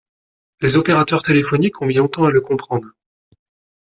Les opérateurs téléphoniques ont mis bien longtemps à le comprendre.